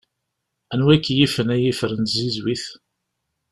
Anwa i k-yifen ay ifer n tzizwit?